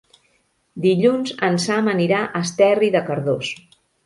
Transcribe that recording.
Dilluns en Sam anirà a Esterri de Cardós.